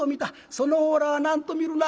その方らは何と見るな？」。